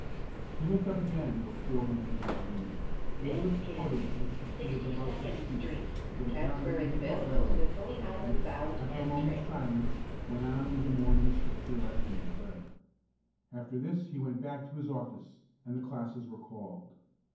He looked up again before he began to read, and his lips parted as if he was about to speak; but apparently he thought better of it, and, after a moment's silence, went on with the morning Scripture lesson and prayer. After this he went back to his office, and the classes were called.